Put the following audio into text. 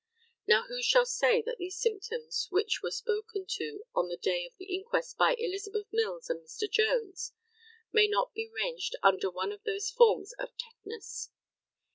Now, who shall say that those symptoms which were spoken to on the day of the inquest by Elizabeth Mills and Mr. Jones may not be ranged under one of those forms of tetanus?